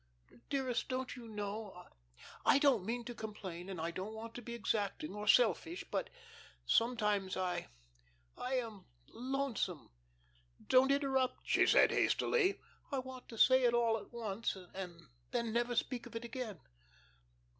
Dearest, you don't know. I don't mean to complain, and I don't want to be exacting or selfish, but sometimes I I am lonesome. Don't interrupt," she said, hastily. "I want to say it all at once, and then never speak of it again.